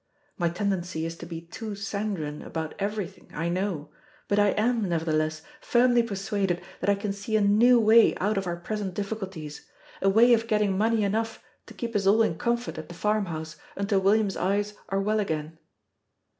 My tendency is to be too sanguine about everything, I know; but I am, nevertheless, firmly persuaded that I can see a new way out of our present difficulties a way of getting money enough to keep us all in comfort at the farmhouse until William's eyes are well again.